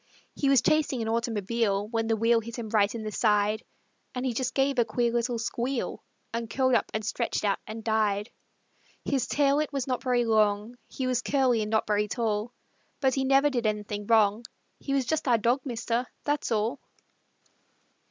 He was chasing an automobile When the wheel hit him right in the side, So he just gave a queer little squeal And curled up and stretched out and died. His tail it was not very long, He was curly and not very tall; But he never did anything wrong He was just our dog, mister that's all.